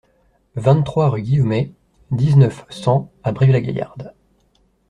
vingt-trois rue Guillaumet, dix-neuf, cent à Brive-la-Gaillarde